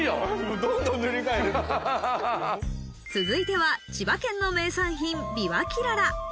続いては千葉県の名産品びわきらら。